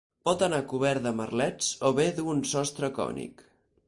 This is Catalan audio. Pot anar cobert de merlets o bé dur un sostre cònic.